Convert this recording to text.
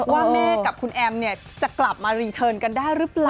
ว่าแม่กับคุณแอมเนี่ยจะกลับมารีเทิร์นกันได้หรือเปล่า